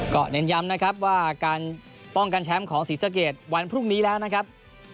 ก็เน้นย้ำนะครับว่าการป้องกันแชมป์ของศรีสะเกดวันพรุ่งนี้แล้วนะครับ